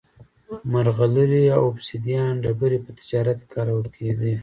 مرغلرې او اوبسیدیان ډبرې په تجارت کې کارول کېدې